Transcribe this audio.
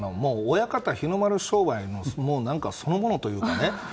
親方日の丸商売のそのものというか。